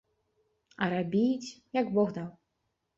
А рабіць, як бог даў.